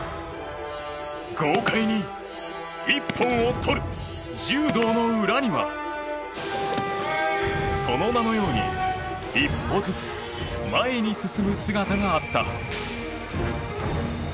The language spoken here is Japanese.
豪快に一本を取る柔道の裏にはその名のように一歩ずつ前に進む姿があった。